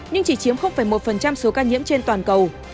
nhưng chỉ chiếm một số ca nhiễm trên toàn cầu